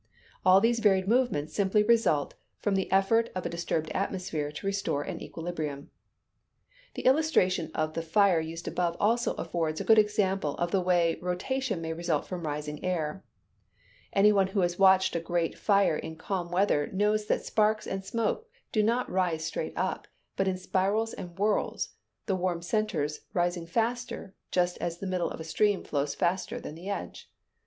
All these varied movements simply result from the effort of a disturbed atmosphere to restore an equilibrium. The illustration of the fire used above also affords a good example of the way rotation may result from rising air. Any one who has watched a great fire in calm weather knows that sparks and smoke do not rise straight up, but in spirals and whirls, the warmer centers rising faster, just as the middle of a stream flows faster than the edge.